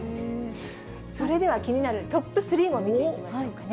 それでは気になるトップ３を見ていきましょうかね。